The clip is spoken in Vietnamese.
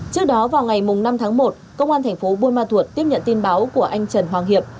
trước đó vào ngày năm tháng một công an thành phố buôn ma thuột tiếp nhận tin báo của anh trần hoàng hiệp